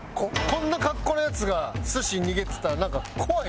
こんな格好のヤツが寿司握ってたらなんか怖いやろ。